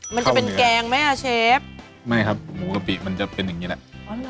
มันจะเป็นแกงไหมอ่ะเชฟไม่ครับหมูกะปิมันจะเป็นอย่างงี้แหละ